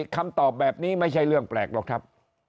คำตอบแบบนี้ไม่ใช่เรื่องแปลกหรอกครับ